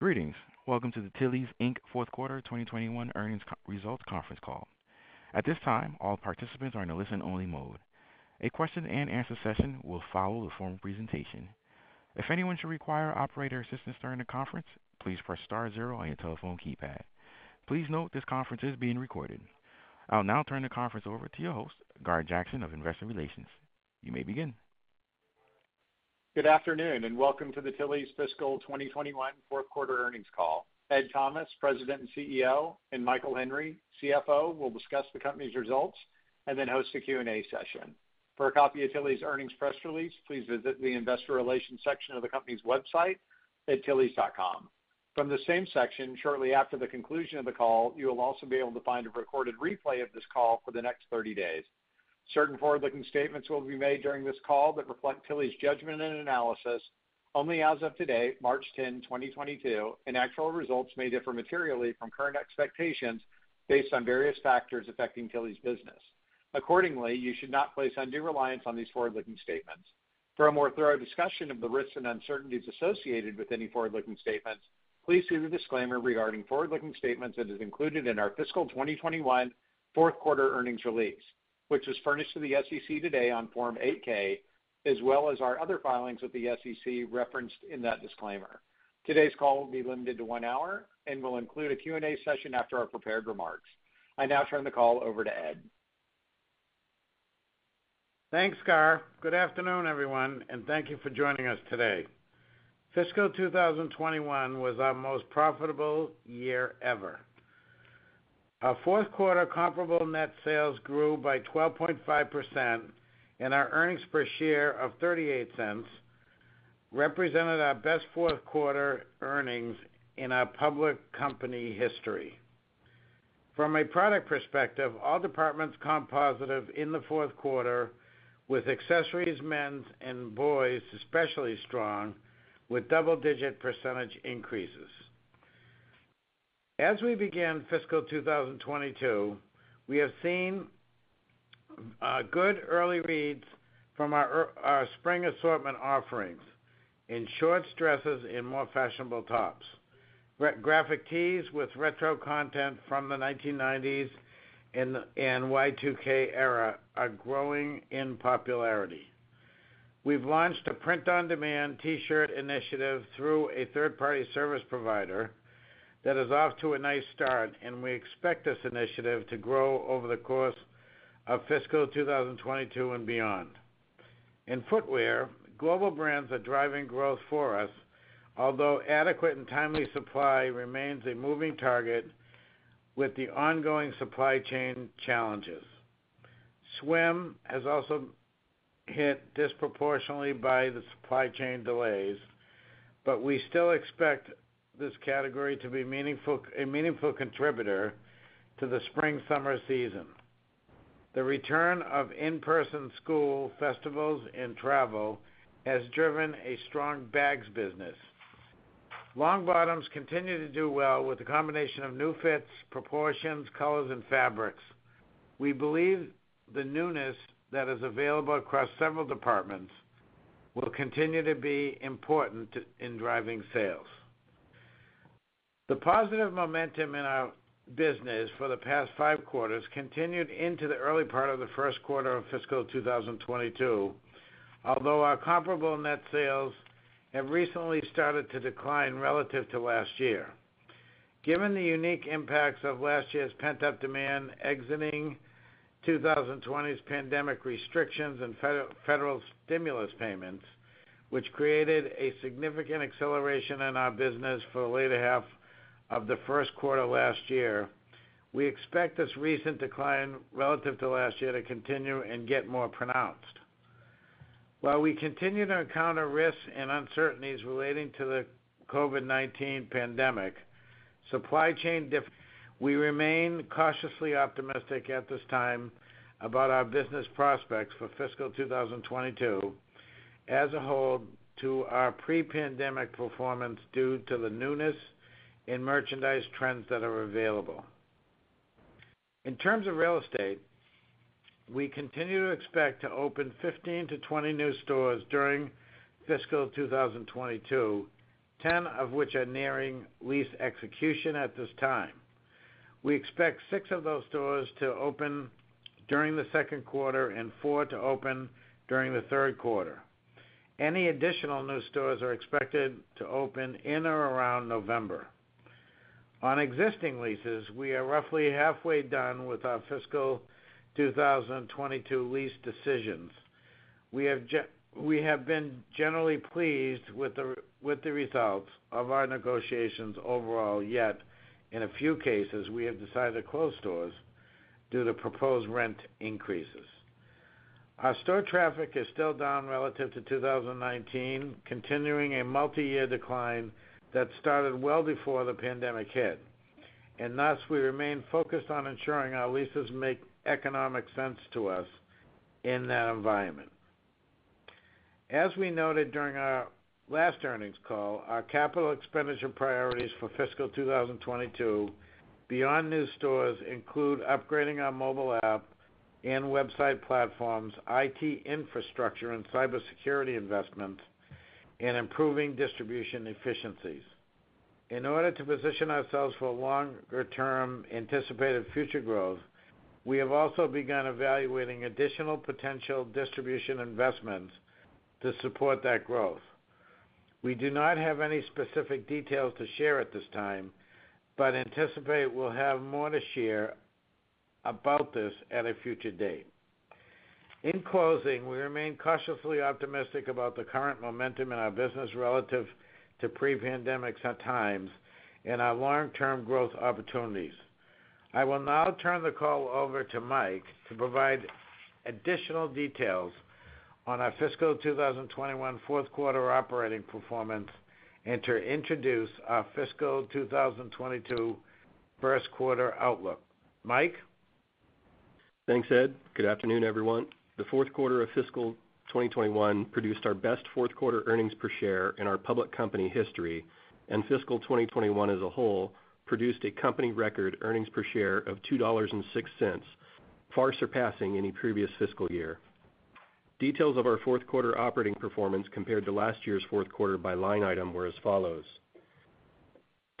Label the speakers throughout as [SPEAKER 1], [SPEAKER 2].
[SPEAKER 1] Greetings. Welcome to the Tilly's, Inc fourth quarter 2021 earnings results conference call. At this time, all participants are in a listen-only mode. A question-and-answer session will follow the formal presentation. If anyone should require operator assistance during the conference, please press star zero on your telephone keypad. Please note this conference is being recorded. I'll now turn the conference over to your host, Gar Jackson of Investor Relations. You may begin.
[SPEAKER 2] Good afternoon, and welcome to the Tilly's fiscal 2021 fourth quarter earnings call. Ed Thomas, President and CEO, and Michael Henry, CFO, will discuss the company's results and then host a Q&A session. For a copy of Tilly's earnings press release, please visit the investor relations section of the company's website at tillys.com. From the same section, shortly after the conclusion of the call, you will also be able to find a recorded replay of this call for the next 30 days. Certain forward-looking statements will be made during this call that reflect Tilly's judgment and analysis only as of today, March 10, 2022, and actual results may differ materially from current expectations based on various factors affecting Tilly's business. Accordingly, you should not place undue reliance on these forward-looking statements. For a more thorough discussion of the risks and uncertainties associated with any forward-looking statements, please see the disclaimer regarding forward-looking statements that is included in our fiscal 2021 fourth quarter earnings release, which was furnished to the SEC today on Form 8-K, as well as our other filings with the SEC referenced in that disclaimer. Today's call will be limited to one hour and will include a Q&A session after our prepared remarks. I now turn the call over to Ed.
[SPEAKER 3] Thanks, Gar. Good afternoon, everyone, and thank you for joining us today. Fiscal 2021 was our most profitable year ever. Our fourth quarter comparable net sales grew by 12.5%, and our earnings per share of $0.38 represented our best fourth quarter earnings in our public company history. From a product perspective, all departments comped positive in the fourth quarter, with Accessories, Men's, and Boys' especially strong, with double-digit percentage increases. As we begin Fiscal 2022, we have seen good early reads from our spring assortment offerings in shorts, dresses, and more fashionable tops. Graphic tees with retro content from the 1990s and Y2K-era are growing in popularity. We've launched a print-on-demand T-shirt initiative through a third-party service provider that is off to a nice start, and we expect this initiative to grow over the course of fiscal 2022 and beyond. In Footwear, global brands are driving growth for us, although adequate and timely supply remains a moving target with the ongoing supply chain challenges. Swim has also been hit disproportionately by the supply chain delays, but we still expect this category to be a meaningful contributor to the spring/summer season. The return of in-person school festivals and travel has driven a strong bags business. Long bottoms continue to do well with a combination of new fits, proportions, colors, and fabrics. We believe the newness that is available across several departments will continue to be important in driving sales. The positive momentum in our business for the past five quarters continued into the early part of the first quarter of fiscal 2022, although our comparable net sales have recently started to decline relative to last year. Given the unique impacts of last year's pent-up demand exiting 2020's pandemic restrictions and federal stimulus payments, which created a significant acceleration in our business for the later half of the first quarter last year, we expect this recent decline relative to last year to continue and get more pronounced. While we continue to encounter risks and uncertainties relating to the COVID-19 pandemic, we remain cautiously optimistic at this time about our business prospects for fiscal 2022 as a whole to our pre-pandemic performance due to the newness in merchandise trends that are available. In terms of real estate, we continue to expect to open 15-20 new stores during fiscal 2022, 10 of which are nearing lease execution at this time. We expect six of those stores to open during the second quarter and four to open during the third quarter. Any additional new stores are expected to open in or around November. On existing leases, we are roughly halfway done with our fiscal 2022 lease decisions. We have been generally pleased with the results of our negotiations overall. Yet, in a few cases, we have decided to close stores due to proposed rent increases. Our store traffic is still down relative to 2019, continuing a multi-year decline that started well before the pandemic hit, and thus we remain focused on ensuring our leases make economic sense to us in that environment. As we noted during our last earnings call, our capital expenditure priorities for fiscal 2022, beyond new stores, include upgrading our mobile app and website platforms, IT infrastructure and cybersecurity investments, and improving distribution efficiencies. In order to position ourselves for longer-term anticipated future growth, we have also begun evaluating additional potential distribution investments to support that growth. We do not have any specific details to share at this time, but anticipate we'll have more to share about this at a future date. In closing, we remain cautiously optimistic about the current momentum in our business relative to pre-pandemic times and our long-term growth opportunities. I will now turn the call over to Mike to provide additional details on our fiscal 2021 fourth quarter operating performance and to introduce our fiscal 2022 first quarter outlook. Mike?
[SPEAKER 4] Thanks, Ed. Good afternoon, everyone. The fourth quarter of fiscal 2021 produced our best fourth quarter earnings per share in our public company history, and fiscal 2021 as a whole produced a company record earnings per share of $2.06, far surpassing any previous fiscal year. Details of our fourth quarter operating performance compared to last year's fourth quarter by line item were as follows.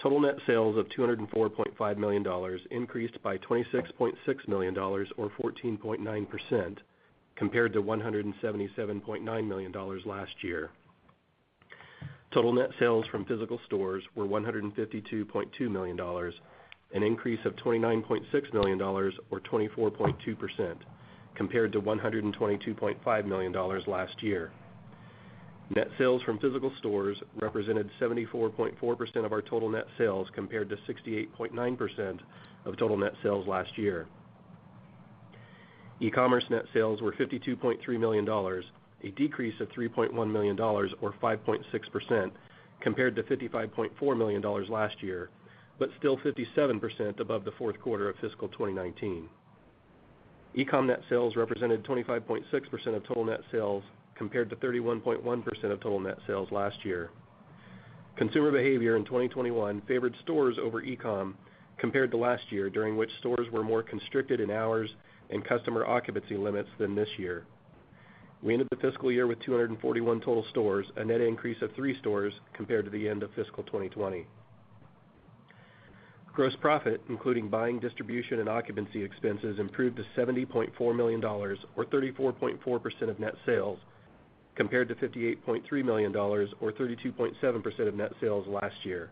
[SPEAKER 4] Total net sales of $204.5 million increased by $26.6 million or 14.9% compared to $177.9 million last year. Total net sales from physical stores were $152.2 million, an increase of $29.6 million or 24.2% compared to $122.5 million last year. Net sales from physical stores represented 74.4% of our total net sales compared to 68.9% of total net sales last year. E-commerce net sales were $52.3 million, a decrease of $3.1 million or 5.6% compared to $55.4 million last year, but still 57% above the fourth quarter of fiscal 2019. E-com net sales represented 25.6% of total net sales compared to 31.1% of total net sales last year. Consumer behavior in 2021 favored stores over e-com compared to last year, during which stores were more constricted in hours and customer occupancy limits than this year. We ended the fiscal year with 241 total stores, a net increase of three stores compared to the end of fiscal 2020. Gross profit, including buying, distribution, and occupancy expenses, improved to $70.4 million or 34.4% of net sales, compared to $58.3 million or 32.7% of net sales last year.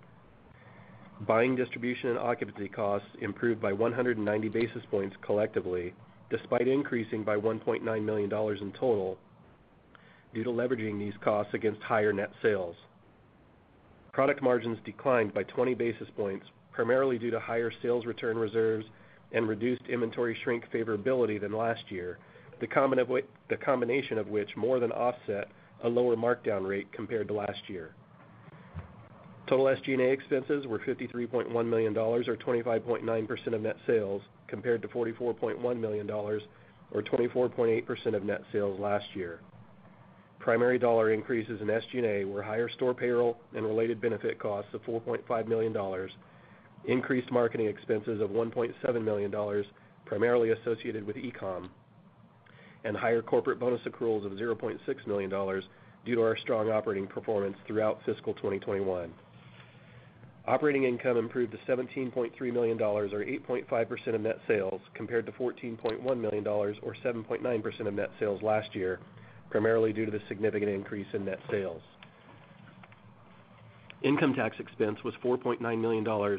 [SPEAKER 4] Buying distribution and occupancy costs improved by 190 basis points collectively, despite increasing by $1.9 million in total due to leveraging these costs against higher net sales. Product margins declined by 20 basis points, primarily due to higher sales return reserves and reduced inventory shrink favorability than last year, the combination of which more than offset a lower markdown rate compared to last year. Total SG&A expenses were $53.1 million or 25.9% of net sales compared to $44.1 million or 24.8% of net sales last year. Primary dollar increases in SG&A were higher store payroll and related benefit costs of $4.5 million, increased marketing expenses of $1.7 million, primarily associated with e-com, and higher corporate bonus accruals of $0.6 million due to our strong operating performance throughout fiscal 2021. Operating income improved to $17.3 million or 8.5% of net sales, compared to $14.1 million or 7.9% of net sales last year, primarily due to the significant increase in net sales. Income tax expense was $4.9 million or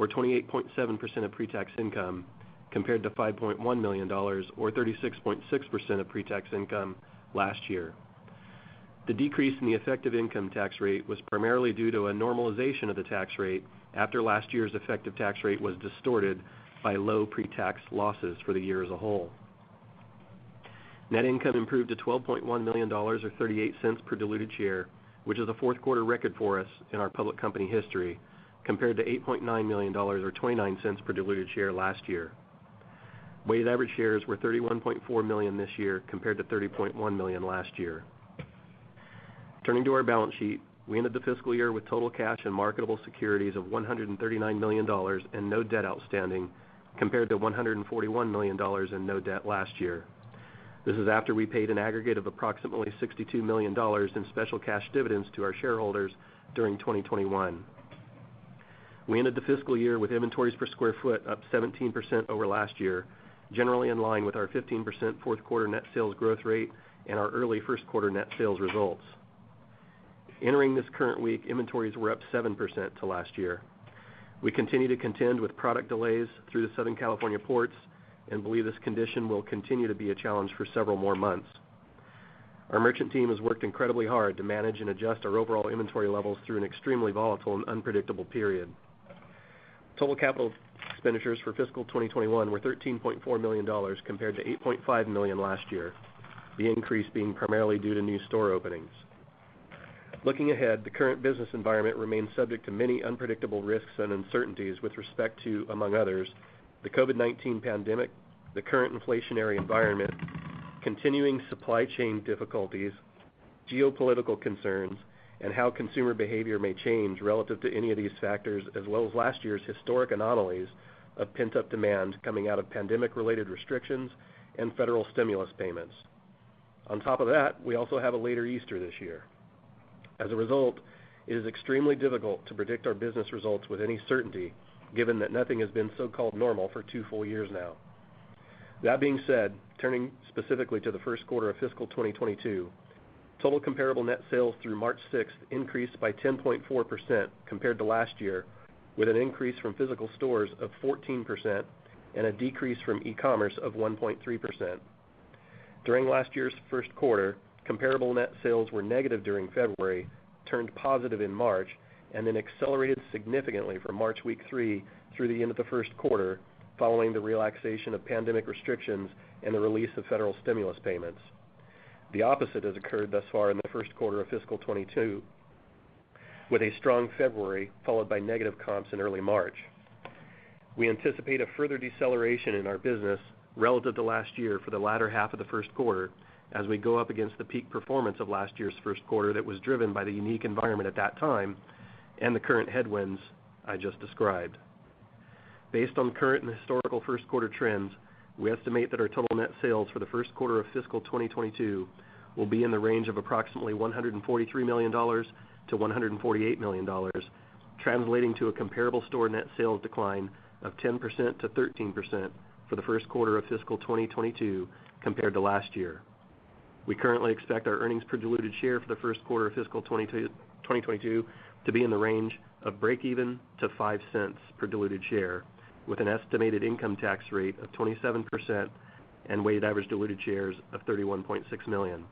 [SPEAKER 4] 28.7% of pre-tax income, compared to $5.1 million or 36.6% of pre-tax income last year. The decrease in the effective income tax rate was primarily due to a normalization of the tax rate after last year's effective tax rate was distorted by low pre-tax losses for the year as a whole. Net income improved to $12.1 million or $0.38 per diluted share, which is a fourth quarter record for us in our public company history, compared to $8.9 million or $0.29 per diluted share last year. Weighted average shares were 31.4 million this year compared to 30.1 million last year. Turning to our balance sheet, we ended the fiscal year with total cash and marketable securities of $139 million and no debt outstanding compared to $141 million in no debt last year. This is after we paid an aggregate of approximately $62 million in special cash dividends to our shareholders during 2021. We ended the fiscal year with inventories per square foot up 17% over last year, generally in line with our 15% fourth quarter net sales growth rate and our early first quarter net sales results. Entering this current week, inventories were up 7% to last year. We continue to contend with product delays through the Southern California ports and believe this condition will continue to be a challenge for several more months. Our merchant team has worked incredibly hard to manage and adjust our overall inventory levels through an extremely volatile and unpredictable period. Total capital expenditures for fiscal 2021 were $13.4 million compared to $8.5 million last year, the increase being primarily due to new store openings. Looking ahead, the current business environment remains subject to many unpredictable risks and uncertainties with respect to, among others, the COVID-19 pandemic, the current inflationary environment, continuing supply chain difficulties, geopolitical concerns, and how consumer behavior may change relative to any of these factors, as well as last year's historic anomalies of pent-up demand coming out of pandemic-related restrictions and federal stimulus payments. On top of that, we also have a later Easter this year. As a result, it is extremely difficult to predict our business results with any certainty, given that nothing has been so-called normal for two full years now. That being said, turning specifically to the first quarter of fiscal 2022, total comparable net sales through March 6 increased by 10.4% compared to last year, with an increase from physical stores of 14% and a decrease from e-commerce of 1.3%. During last year's first quarter, comparable net sales were negative during February, turned positive in March, and then accelerated significantly from March week three through the end of the first quarter following the relaxation of pandemic restrictions and the release of federal stimulus payments. The opposite has occurred thus far in the first quarter of fiscal 2022, with a strong February followed by negative comps in early March. We anticipate a further deceleration in our business relative to last year for the latter half of the first quarter as we go up against the peak performance of last year's first quarter that was driven by the unique environment at that time and the current headwinds I just described. Based on current and historical first quarter trends, we estimate that our total net sales for the first quarter of fiscal 2022 will be in the range of approximately $143 million-$148 million, translating to a comparable store net sales decline of 10%-13% for the first quarter of fiscal 2022 compared to last year. We currently expect our earnings per diluted share for the first quarter of fiscal 2022 to be in the range of breakeven to $0.05 per diluted share, with an estimated income tax rate of 27% and weighted average diluted shares of 31.6 million.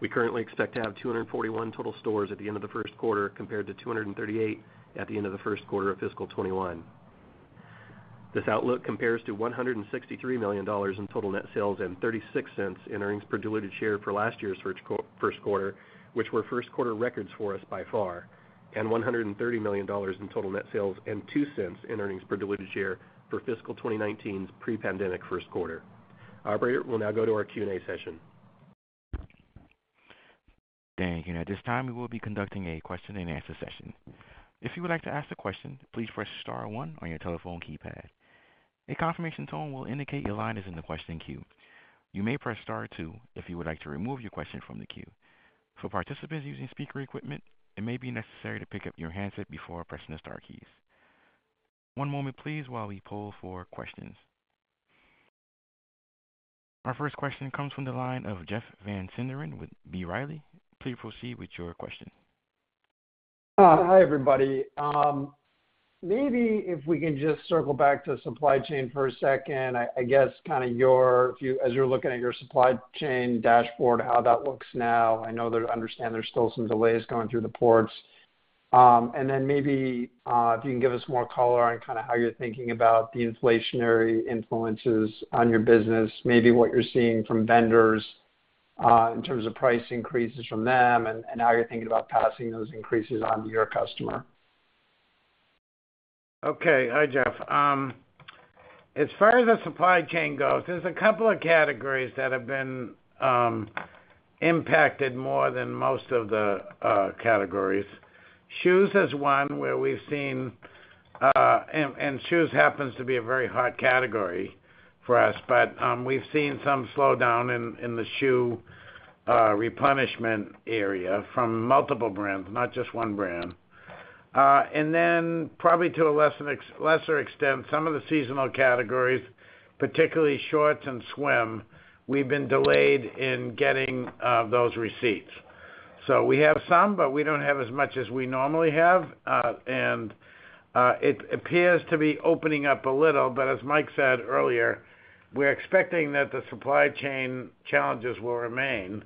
[SPEAKER 4] We currently expect to have 241 total stores at the end of the first quarter compared to 238 at the end of the first quarter of fiscal 2021. This outlook compares to $163 million in total net sales and $0.36 in earnings per diluted share for last year's first quarter, which were first quarter records for us by far, and $130 million in total net sales and $0.02 in earnings per diluted share for fiscal 2019's pre-pandemic first quarter. Operator, we'll now go to our Q&A session.
[SPEAKER 1] Thank you. At this time, we will be conducting a question-and-answer session. If you would like to ask a question, please press star one on your telephone keypad. A confirmation tone will indicate your line is in the question queue. You may press star two if you would like to remove your question from the queue. For participants using speaker equipment, it may be necessary to pick up your handset before pressing the star keys. One moment please while we poll for questions. Our first question comes from the line of Jeff Van Sinderen with B. Riley. Please proceed with your question.
[SPEAKER 5] Hi, everybody. Maybe if we can just circle back to supply chain for a second. I guess kind of as you're looking at your supply chain dashboard, how that looks now? I know there's still some delays going through the ports. Maybe if you can give us more color on kind of how you're thinking about the inflationary influences on your business, maybe what you're seeing from vendors in terms of price increases from them and how you're thinking about passing those increases on to your customer?
[SPEAKER 3] Okay. Hi, Jeff. As far as the supply chain goes, there's a couple of categories that have been impacted more than most of the categories. Shoes is one where we've seen, and shoes happens to be a very hard category for us, but we've seen some slowdown in the shoe replenishment area from multiple brands, not just one brand. And then probably to a lesser extent, some of the seasonal categories, particularly shorts and swim, we've been delayed in getting those receipts. So we have some, but we don't have as much as we normally have. And it appears to be opening up a little, but as Mike said earlier, we're expecting that the supply chain challenges will remain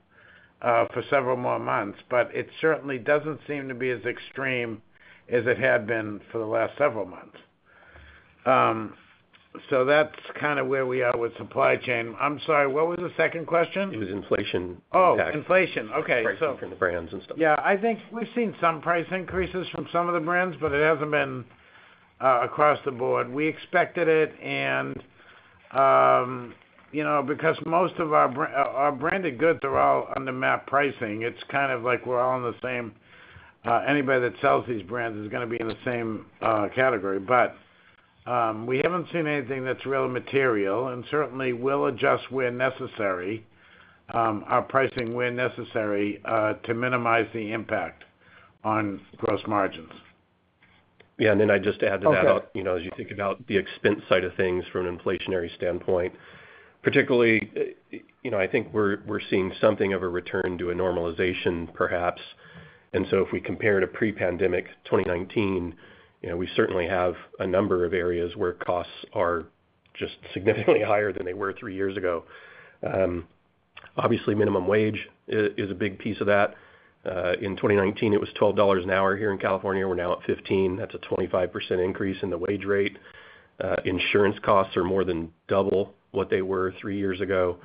[SPEAKER 3] for several more months. It certainly doesn't seem to be as extreme as it had been for the last several months. That's kinda where we are with supply chain. I'm sorry, what was the second question?
[SPEAKER 4] It was inflation impact.
[SPEAKER 3] Oh, inflation. Okay.
[SPEAKER 4] Price increase from the brands and stuff.
[SPEAKER 3] Yeah, I think we've seen some price increases from some of the brands, but it hasn't been across the board. We expected it and, you know, because most of our branded goods are all under MAP pricing. It's kind of like we're all in the same boat. Anybody that sells these brands is gonna be in the same category. But we haven't seen anything that's really material, and certainly we'll adjust where necessary our pricing where necessary to minimize the impact on gross margins.
[SPEAKER 4] Yeah, I'd just add to that.
[SPEAKER 3] Okay.
[SPEAKER 4] You know, as you think about the expense side of things from an inflationary standpoint, particularly, you know, I think we're seeing something of a return to a normalization perhaps. If we compare to pre-pandemic 2019, you know, we certainly have a number of areas where costs are just significantly higher than they were three years ago. Obviously minimum wage is a big piece of that. In 2019 it was $12 an hour here in California, we're now at $15. That's a 25% increase in the wage rate. Insurance costs are more than double what they were three years ago.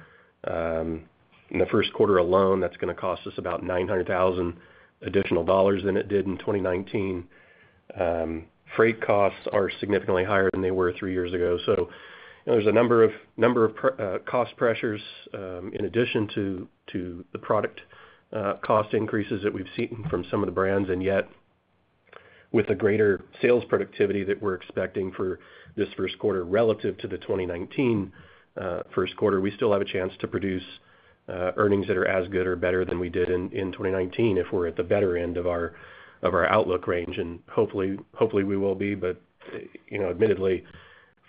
[SPEAKER 4] In the first quarter alone, that's gonna cost us about $900,000 additional dollars than it did in 2019. Freight costs are significantly higher than they were three years ago. You know, there's a number of cost pressures in addition to the product cost increases that we've seen from some of the brands, and yet. With the greater sales productivity that we're expecting for this first quarter relative to the 2019 first quarter, we still have a chance to produce earnings that are as good or better than we did in 2019 if we're at the better end of our outlook range, and hopefully we will be. You know, admittedly,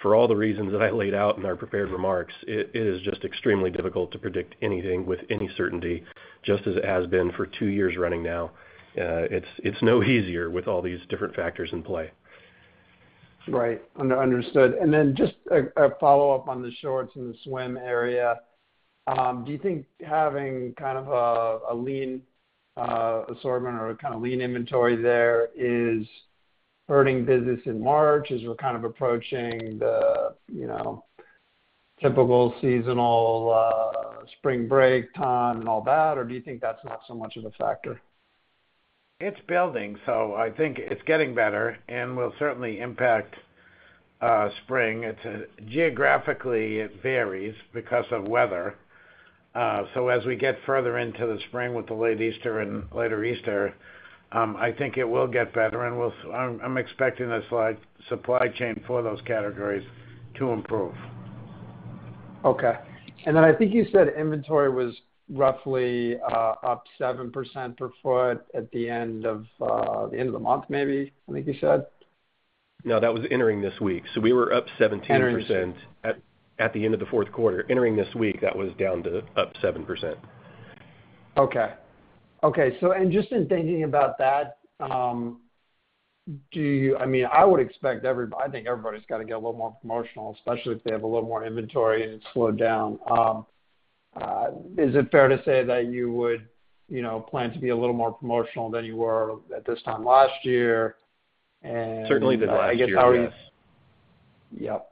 [SPEAKER 4] for all the reasons that I laid out in our prepared remarks, it is just extremely difficult to predict anything with any certainty, just as it has been for two years running now. It's no easier with all these different factors in play.
[SPEAKER 5] Right. Understood. Just a follow-up on the shorts and the swim area. Do you think having kind of a lean assortment or a kind of lean inventory there is hurting business in March as we're kind of approaching the you know typical seasonal spring break time and all that? Do you think that's not so much of a factor?
[SPEAKER 3] It's building, so I think it's getting better and will certainly impact spring. Geographically, it varies because of weather. As we get further into the spring with the late Easter and later Easter, I think it will get better. I'm expecting the supply chain for those categories to improve.
[SPEAKER 5] Okay. I think you said inventory was roughly up 7% per foot at the end of the month, maybe. I think you said.
[SPEAKER 4] No, that was entering this week. We were up 17%.
[SPEAKER 5] Entering
[SPEAKER 4] At the end of the fourth quarter. Entering this week, that was down to up 7%.
[SPEAKER 5] Okay. Just in thinking about that, I mean, I would expect I think everybody's gotta get a little more promotional, especially if they have a little more inventory and it's slowed down. Is it fair to say that you would, you know, plan to be a little more promotional than you were at this time last year? And.
[SPEAKER 4] Certainly the last year, yeah.
[SPEAKER 5] I guess, how is... Yep.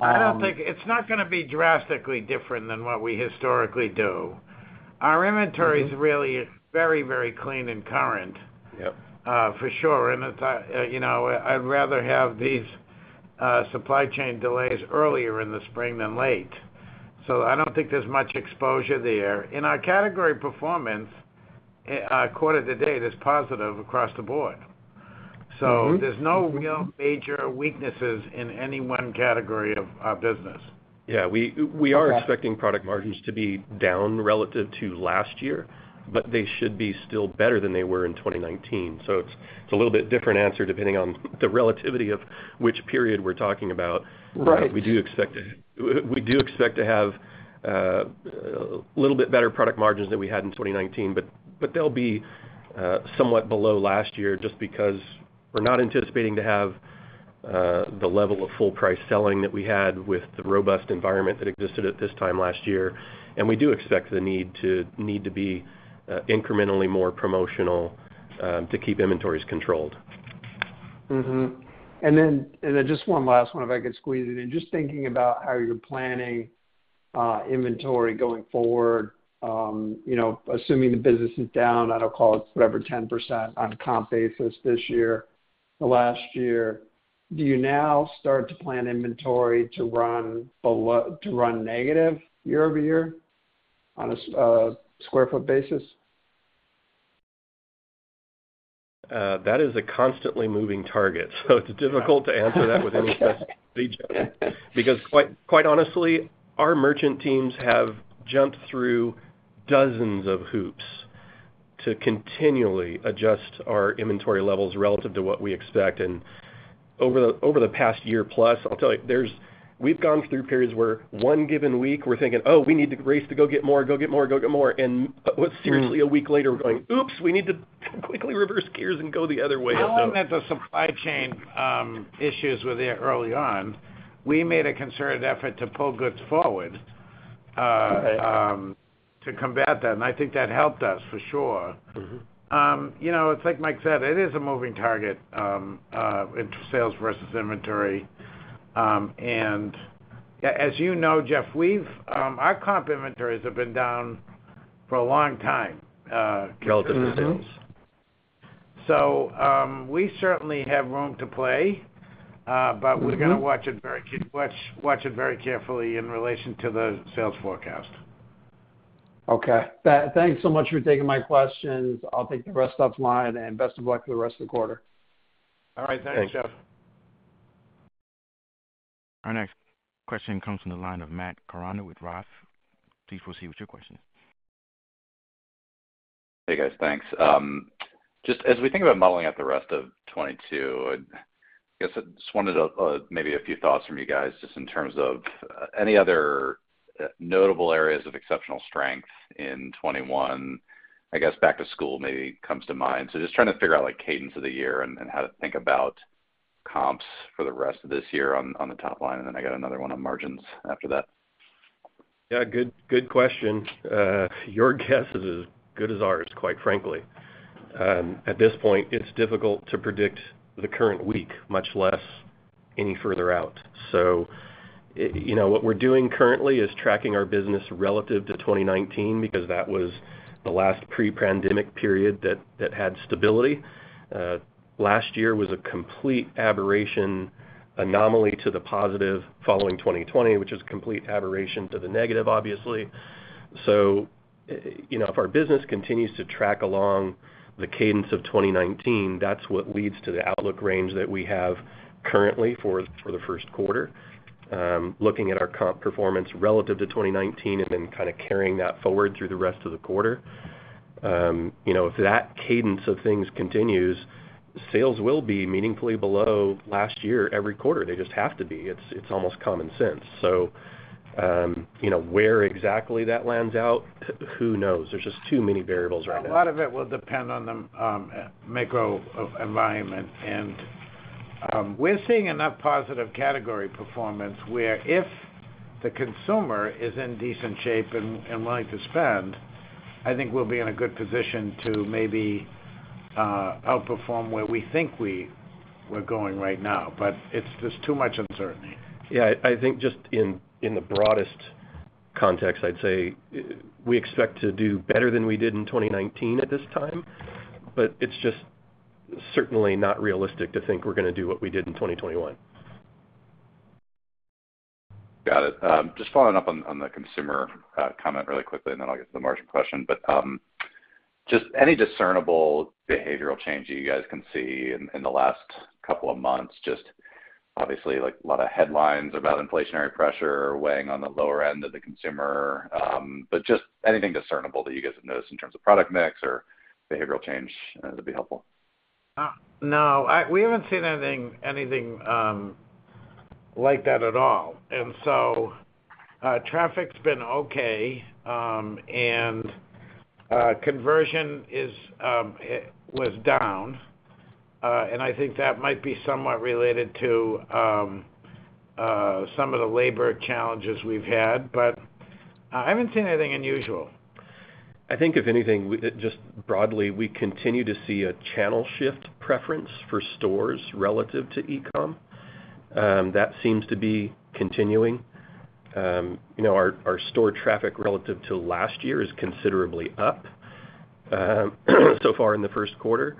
[SPEAKER 5] Um-
[SPEAKER 3] It's not gonna be drastically different than what we historically do. Our inventory-
[SPEAKER 5] Mm-hmm.
[SPEAKER 3] Is really very, very clean and current.
[SPEAKER 4] Yep.
[SPEAKER 3] For sure. You know, I'd rather have these supply chain delays earlier in the spring than late. I don't think there's much exposure there. In our category performance, quarter-to-date is positive across the board.
[SPEAKER 5] Mm-hmm.
[SPEAKER 3] There's no real major weaknesses in any one category of our business.
[SPEAKER 4] Yeah, we are expecting product margins to be down relative to last year, but they should be still better than they were in 2019. It's a little bit different answer depending on the relative to which period we're talking about.
[SPEAKER 5] Right.
[SPEAKER 4] We do expect to have a little bit better product margins than we had in 2019, but they'll be somewhat below last year just because we're not anticipating to have the level of full price selling that we had with the robust environment that existed at this time last year. We do expect the need to be incrementally more promotional to keep inventories controlled.
[SPEAKER 5] Just one last one, if I could squeeze it in. Just thinking about how you're planning inventory going forward, you know, assuming the business is down, I don't call it whatever, 10% on comp basis this year to last year. Do you now start to plan inventory to run negative year-over-year on a square foot basis?
[SPEAKER 4] That is a constantly moving target, so it's difficult to answer that with any specificity.
[SPEAKER 5] Okay.
[SPEAKER 4] Because quite honestly, our merchant teams have jumped through dozens of hoops to continually adjust our inventory levels relative to what we expect. Over the past year plus, I'll tell you, we've gone through periods where one given week we're thinking, "Oh, we need to race to go get more, go get more, go get more." But seriously, a week later, we're going, "Oops, we need to quickly reverse gears and go the other way.
[SPEAKER 3] Now that the supply chain issues were there early on, we made a concerted effort to pull goods forward.
[SPEAKER 5] Okay.
[SPEAKER 3] To combat that, and I think that helped us for sure.
[SPEAKER 5] Mm-hmm.
[SPEAKER 3] You know, it's like Mike said, it is a moving target in sales versus inventory. As you know, Jeff, our comp inventories have been down for a long time.
[SPEAKER 4] Relative to sales.
[SPEAKER 5] Mm-hmm.
[SPEAKER 3] We certainly have room to play.
[SPEAKER 5] Mm-hmm
[SPEAKER 3] We're gonna watch it very carefully in relation to the sales forecast.
[SPEAKER 5] Okay. Thanks so much for taking my questions. I'll take the rest offline, and best of luck for the rest of the quarter.
[SPEAKER 3] All right. Thanks, Jeff.
[SPEAKER 4] Thanks.
[SPEAKER 1] Our next question comes from the line of Matt Koranda with Roth. Please proceed with your question.
[SPEAKER 6] Hey, guys. Thanks. Just as we think about modeling out the rest of 2022, I guess I just wanted maybe a few thoughts from you guys just in terms of any other notable areas of exceptional strength in 2021. I guess back to school maybe comes to mind. So just trying to figure out, like, cadence of the year and how to think about comps for the rest of this year on the top line. Then I got another one on margins after that.
[SPEAKER 4] Yeah, good question. Your guess is as good as ours, quite frankly. At this point, it's difficult to predict the current week, much less any further out. You know, what we're doing currently is tracking our business relative to 2019 because that was the last pre-pandemic period that had stability. Last year was a complete aberration, anomaly to the positive following 2020, which was complete aberration to the negative, obviously. You know, if our business continues to track along the cadence of 2019, that's what leads to the outlook range that we have currently for the first quarter. Looking at our comp performance relative to 2019 and then kind of carrying that forward through the rest of the quarter. You know, if that cadence of things continues, sales will be meaningfully below last year every quarter. They just have to be. It's almost common sense. You know, where exactly that lands out, who knows? There's just too many variables right now.
[SPEAKER 3] A lot of it will depend on the macro environment. We're seeing enough positive category performance where if the consumer is in decent shape and willing to spend, I think we'll be in a good position to maybe outperform where we think we were going right now, but it's just too much uncertainty.
[SPEAKER 4] Yeah. I think just in the broadest context, I'd say we expect to do better than we did in 2019 at this time, but it's just certainly not realistic to think we're gonna do what we did in 2021.
[SPEAKER 6] Got it. Just following up on the consumer comment really quickly, and then I'll get to the margin question. Just any discernible behavioral change that you guys can see in the last couple of months? Just obviously, like, a lot of headlines about inflationary pressure weighing on the lower end of the consumer. Just anything discernible that you guys have noticed in terms of product mix or behavioral change, that'd be helpful.
[SPEAKER 3] No. We haven't seen anything like that at all. Traffic's been okay, and conversion was down. I think that might be somewhat related to some of the labor challenges we've had. I haven't seen anything unusual.
[SPEAKER 4] I think if anything, just broadly, we continue to see a channel shift preference for stores relative to e-com. That seems to be continuing. You know, our store traffic relative to last year is considerably up, so far in the first quarter,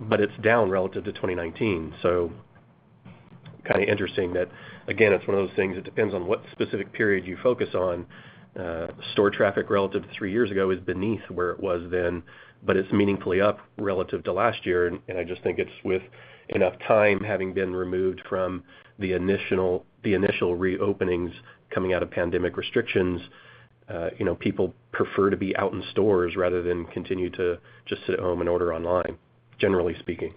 [SPEAKER 4] but it's down relative to 2019. Kinda interesting that, again, it's one of those things, it depends on what specific period you focus on. Store traffic relative to three years ago is beneath where it was then, but it's meaningfully up relative to last year. I just think it's with enough time having been removed from the initial reopenings coming out of pandemic restrictions, you know, people prefer to be out in stores rather than continue to just sit at home and order online, generally speaking.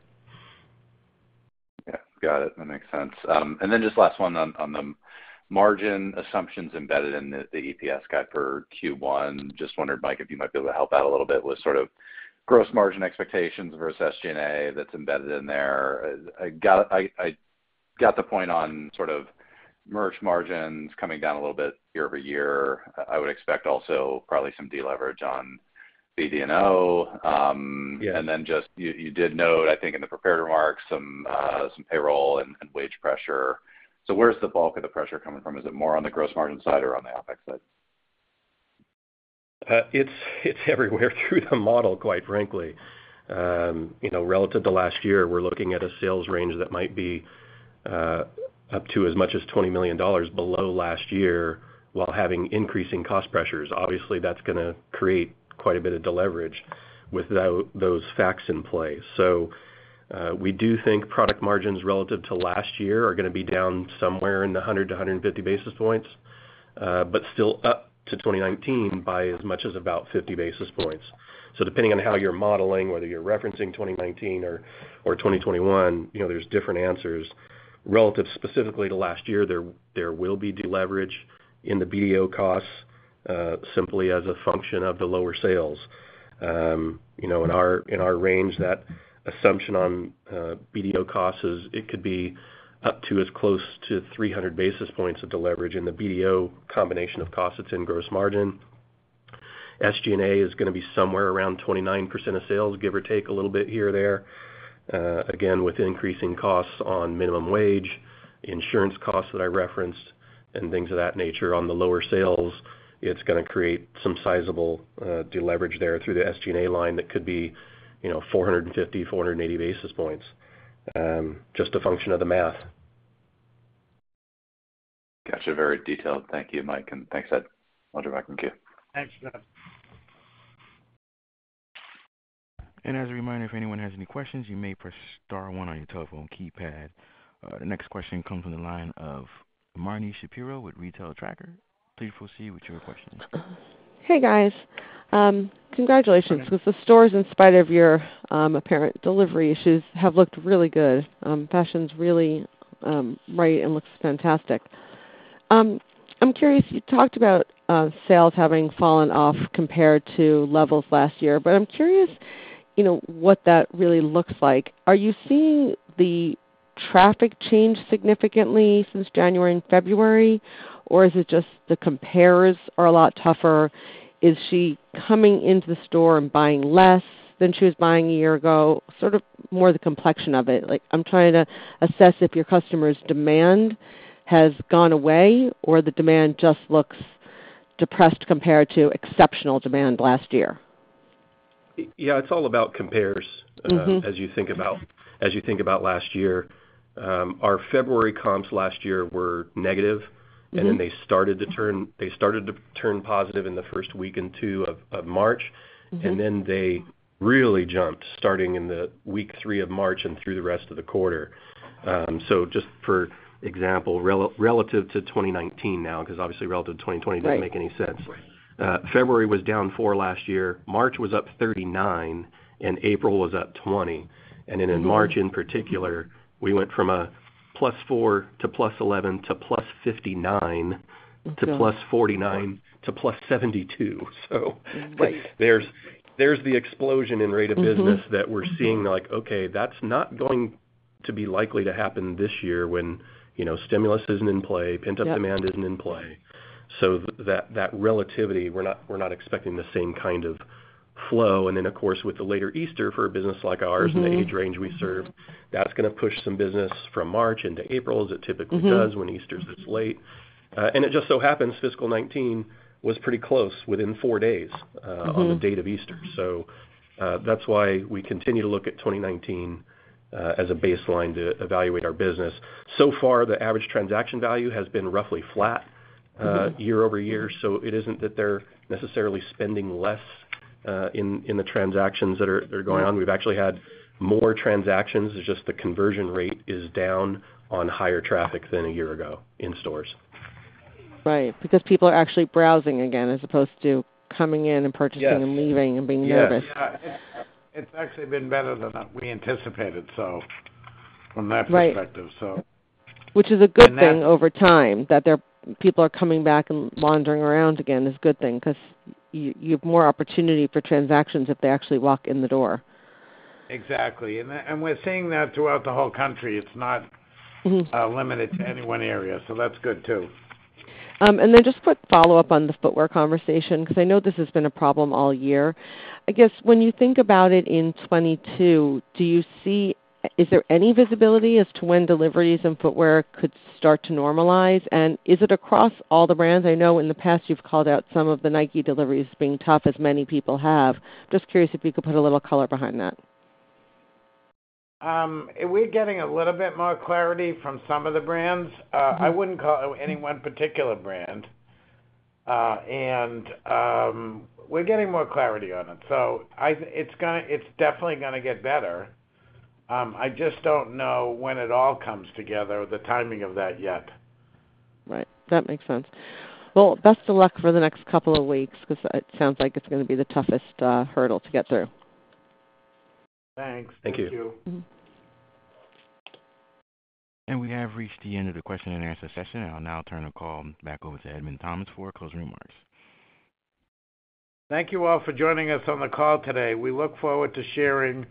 [SPEAKER 6] Yeah. Got it. That makes sense. Just last one on the margin assumptions embedded in the EPS guide for Q1. Just wondered, Mike, if you might be able to help out a little bit with sort of gross margin expectations versus SG&A that's embedded in there. I got the point on sort of merch margins coming down a little bit year-over-year. I would expect also probably some deleverage on BD&O.
[SPEAKER 4] Yeah.
[SPEAKER 6] Just you did note, I think in the prepared remarks, some payroll and wage pressure. Where's the bulk of the pressure coming from? Is it more on the gross margin side or on the OpEx side?
[SPEAKER 4] It's everywhere through the model, quite frankly. You know, relative to last year, we're looking at a sales range that might be up to as much as $20 million below last year while having increasing cost pressures. Obviously, that's gonna create quite a bit of deleverage with those facts in play. We do think product margins relative to last year are gonna be down somewhere in the 100-150 basis points, but still up to 2019 by as much as about 50 basis points. Depending on how you're modeling, whether you're referencing 2019 or 2021, you know, there's different answers. Relative specifically to last year, there will be deleverage in the BD&O costs, simply as a function of the lower sales. You know, in our range, that assumption on BD&O costs is it could be up to as close to 300 basis points of deleverage in the BD&O combination of costs that's in gross margin. SG&A is gonna be somewhere around 29% of sales, give or take a little bit here or there. Again, with increasing costs on minimum wage, insurance costs that I referenced, and things of that nature on the lower sales, it's gonna create some sizable deleverage there through the SG&A line that could be, you know, 450-480 basis points. Just a function of the math.
[SPEAKER 6] Got you. Very detailed. Thank you, Mike, and thanks, Ed. I'll drop back in queue.
[SPEAKER 3] Thanks, Doug.
[SPEAKER 1] As a reminder, if anyone has any questions, you may press star one on your telephone keypad. The next question comes from the line of Marni Shapiro with Retail Tracker. Please proceed with your question.
[SPEAKER 7] Hey, guys. Congratulations. The stores, in spite of your apparent delivery issues, have looked really good. Fashion's really right and looks fantastic. I'm curious, you talked about sales having fallen off compared to levels last year, but I'm curious, you know, what that really looks like. Are you seeing the traffic change significantly since January and February, or is it just the compares are a lot tougher? Is she coming into the store and buying less than she was buying a year ago? Sort of more the complexion of it. Like, I'm trying to assess if your customers' demand has gone away or the demand just looks depressed compared to exceptional demand last year.
[SPEAKER 4] Yeah, it's all about compares.
[SPEAKER 7] Mm-hmm.
[SPEAKER 4] As you think about last year, our February comps last year were negative.
[SPEAKER 7] Mm-hmm.
[SPEAKER 4] They started to turn positive in the first week and two of March.
[SPEAKER 7] Mm-hmm.
[SPEAKER 4] They really jumped starting in week three of March and through the rest of the quarter. Just for example, relative to 2019 now, 'cause obviously relative to 2020-
[SPEAKER 7] Right.
[SPEAKER 4] Doesn't make any sense. February was down 4% last year, March was up 39%, and April was up 20%.
[SPEAKER 7] Mm-hmm.
[SPEAKER 4] In March in particular, we went from +4% to +11% to +59%.
[SPEAKER 7] That's right.
[SPEAKER 4] To +49% to +72%, so.
[SPEAKER 7] Right.
[SPEAKER 4] There's the explosion in rate of business.
[SPEAKER 7] Mm-hmm.
[SPEAKER 4] That we're seeing, like, okay, that's not going to be likely to happen this year when, you know, stimulus isn't in play.
[SPEAKER 7] Yep.
[SPEAKER 4] Pent-up demand isn't in play. That relativity, we're not expecting the same kind of flow. Then of course, with the later Easter for a business like ours-
[SPEAKER 7] Mm-hmm.
[SPEAKER 4] The age range we serve, that's gonna push some business from March into April, as it typically does.
[SPEAKER 7] Mm-hmm.
[SPEAKER 4] -When Easter's this late. It just so happens fiscal 2019 was pretty close, within four days-
[SPEAKER 7] Mm-hmm.
[SPEAKER 4] On the date of Easter. That's why we continue to look at 2019 as a baseline to evaluate our business. So far, the average transaction value has been roughly flat year-over-year, so it isn't that they're necessarily spending less in the transactions that are going on. We've actually had more transactions, it's just the conversion rate is down on higher traffic than a year ago in stores.
[SPEAKER 7] Right, because people are actually browsing again, as opposed to coming in and purchasing.
[SPEAKER 4] Yes.
[SPEAKER 7] Leaving and being nervous.
[SPEAKER 4] Yes.
[SPEAKER 3] Yeah. It's actually been better than we anticipated, so from that perspective.
[SPEAKER 7] Right.
[SPEAKER 3] So...
[SPEAKER 7] Which is a good thing over time, that people are coming back and wandering around again is a good thing, 'cause you have more opportunity for transactions if they actually walk in the door.
[SPEAKER 3] Exactly. We're seeing that throughout the whole country, it's not-
[SPEAKER 7] Mm-hmm.
[SPEAKER 3] Limited to any one area, so that's good too.
[SPEAKER 7] Just quick follow-up on the footwear conversation, 'cause I know this has been a problem all year. I guess when you think about it in 2022, do you see? Is there any visibility as to when deliveries in footwear could start to normalize? Is it across all the brands? I know in the past you've called out some of the Nike deliveries being tough, as many people have. Just curious if you could put a little color behind that.
[SPEAKER 3] We're getting a little bit more clarity from some of the brands. I wouldn't call out any one particular brand. We're getting more clarity on it. It's definitely gonna get better. I just don't know when it all comes together, the timing of that yet.
[SPEAKER 7] Right. That makes sense. Well, best of luck for the next couple of weeks, 'cause it sounds like it's gonna be the toughest hurdle to get through.
[SPEAKER 3] Thanks.
[SPEAKER 4] Thank you.
[SPEAKER 3] Thank you.
[SPEAKER 7] Mm-hmm.
[SPEAKER 1] We have reached the end of the question-and-answer session. I'll now turn the call back over to Edmond Thomas for closing remarks.
[SPEAKER 3] Thank you all for joining us on the call today. We look forward to sharing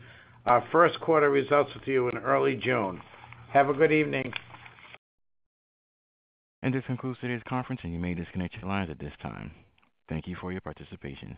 [SPEAKER 3] our first quarter results with you in early June. Have a good evening.
[SPEAKER 1] This concludes today's conference, and you may disconnect your lines at this time. Thank you for your participation.